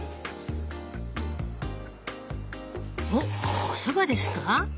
おっおそばですか？